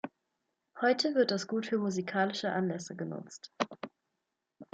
Heute wird das Gut für musikalische Anlässe genutzt.